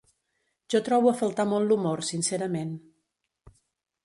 Jo trobo a faltar molt l’humor, sincerament.